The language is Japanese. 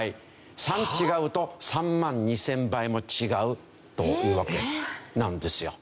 ３違うと３万２０００倍も違うというわけなんですよ。